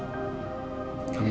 kamu tenang ya